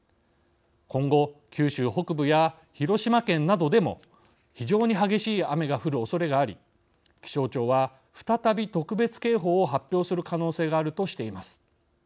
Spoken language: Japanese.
今後、九州北部や広島県などでも非常に激しい雨が降るおそれがあり気象庁は再び特別警報を発表する可能性があるとしています。